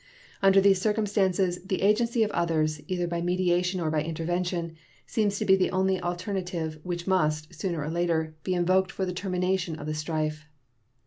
Under these circumstances the agency of others, either by mediation or by intervention, seems to be the only alternative which must, sooner or later, be invoked for the termination of the strife.